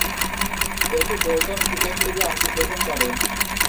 এটি Bolton cricket লীগে অংশগ্রহণ করে।